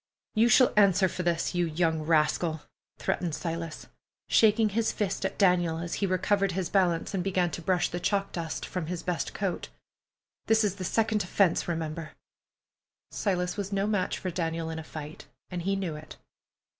"You shall answer for this, you young rascal," threatened Silas, shaking his fist at Daniel, as he recovered his balance and began to brush the chalk dust from his best coat. "This is the second offense, remember!" Silas was no match for Daniel in a fight, and he knew it.